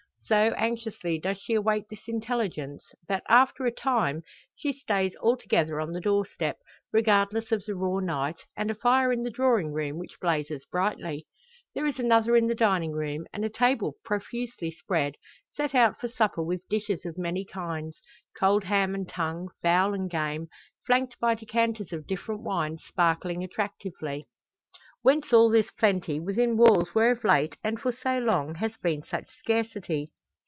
So anxiously does she await this intelligence, that, after a time, she stays altogether on the door step, regardless of the raw night, and a fire in the drawing room which blazes brightly. There is another in the dining room, and a table profusely spread set out for supper with dishes of many kinds cold ham and tongue, fowl and game, flanked by decanters of different wines sparkling attractively. Whence all this plenty, within walls where of late and for so long, has been such scarcity?